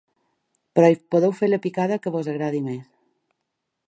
Però hi podeu fer la picada que us agradi més.